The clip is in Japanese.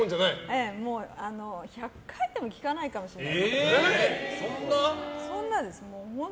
もう、１００回でもきかないかもしれない。